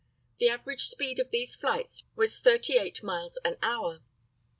The average speed of these flights was 38 miles an hour.